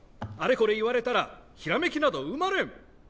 あれこれ言われたらひらめきなど生まれん！